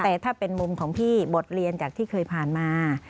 แต่ถ้าเป็นมุมของพี่บทเรียนจากที่เคยผ่านมา